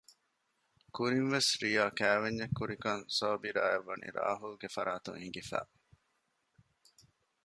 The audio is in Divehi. ކުރިން ވެސް ރިޔާ ކައިވެންޏެއް ކުރިކަން ޞާބިރާއަށް ވަނީ ރާހުލްގެ ފަރާތުން އެނގިފަ